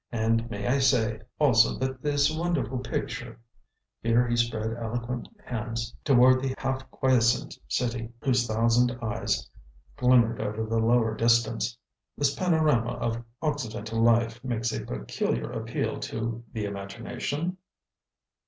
And may I say, also, that this wonderful picture " here he spread eloquent hands toward the half quiescent city whose thousand eyes glimmered over the lower distance "this panorama of occidental life, makes a peculiar appeal to the imagination?"